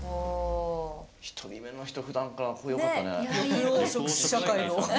１人目の人ふだんから声よかったね。